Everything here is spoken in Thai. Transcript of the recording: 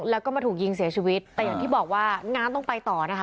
แล้วก็มาถูกยิงเสียชีวิตแต่อย่างที่บอกว่าน้ำต้องไปต่อนะคะ